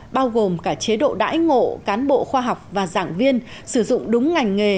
bao gồm cả chế độ đãi ngộ cán bộ khoa học và giảng viên sử dụng đúng ngành nghề